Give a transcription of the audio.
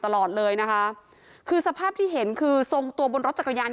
ตลอดเลยนะคะคือสภาพที่เห็นคือทรงตัวบนรถจักรยาน